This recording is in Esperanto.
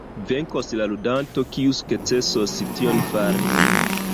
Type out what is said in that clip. Venkos la ludanto kiu sukcesos tion fari.